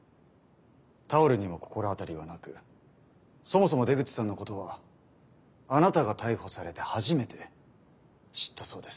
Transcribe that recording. タオルにも心当たりはなくそもそも出口さんのことはあなたが逮捕されて初めて知ったそうです。